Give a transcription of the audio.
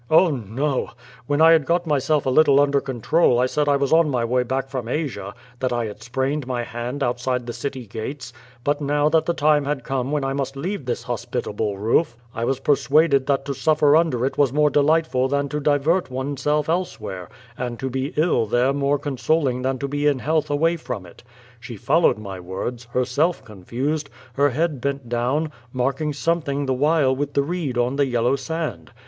'Oh, no! When I had got myself a little under control I said I was on my way back from Asia, that I had sprained my hand outside the city gates, but now that the time had come when I must leave this hospitable roof, I was per suaded that to suffer under it was more delightful than to divert oneself elsewhere, and to be ill there more consoling than to be in health away from it. She followed my words, herself confused, her head bent down, marking something the while with the reed on the yellow sand.